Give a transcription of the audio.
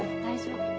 大丈夫。